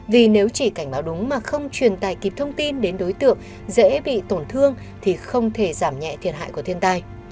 vì nếu chỉ cảnh báo đúng mà không truyền tài kịp thông tin đến đối tượng dễ bị tổn thương thì không thể giảm nhẹ thiệt hại của thiên tai